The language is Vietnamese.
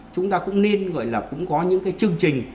chúng ta cũng nên gọi là cũng có những cái chương trình